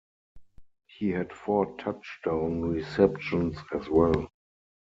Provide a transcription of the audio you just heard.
He had four touchdown receptions as well.